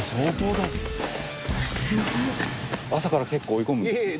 朝から結構追い込むんですね。